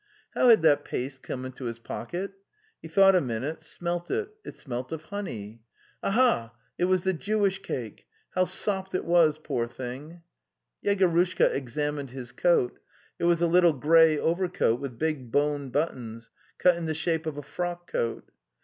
How had that paste come into his pocket? He thought a minute, smelt it; it smelt of honey. Aha! it was the Jewish cake! How sopped it was, poor thing! Yegorushka examined his coat. It was a little grey overcoat with big bone buttons, cut in the shape of a frock coat.